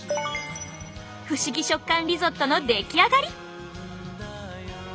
不思議食感リゾットの出来上がり！